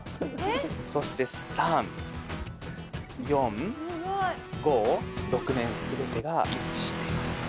そして３４５６面全てが一致しています。